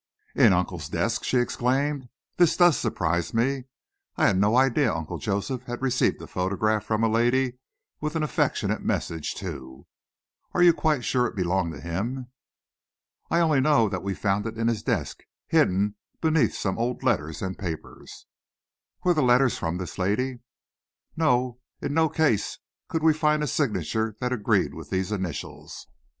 "In Uncle's desk!" she exclaimed. "This does surprise me. I had no idea Uncle Joseph had received a photograph from a lady with an affectionate message, too. Are you quite sure it belonged to him?" "I only know that we found it in his desk, hidden beneath some old letters and papers." "Were the letters from this lady?" "No; in no case could we find a signature that agreed with these initials."